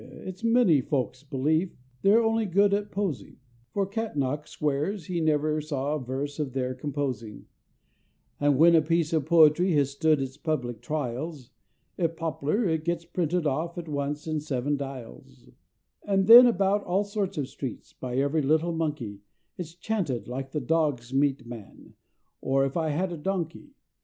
it's many folk's belief they're only good at prosing, For Catnach swears he never saw a verse of their composing; And when a piece of poetry has stood its public trials, If pop'lar, it gets printed off at once in Seven Dials, And then about all sorts of streets, by every little monkey, It's chanted like the "Dog's Meat Man," or "If I had a Donkey."